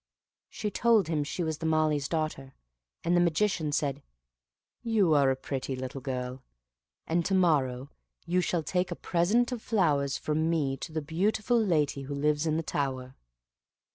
She told him she was the Malee's daughter, and the Magician said, "You are a pretty little girl, and to morrow you shall take a present of flowers from me to the beautiful lady who lives in the tower."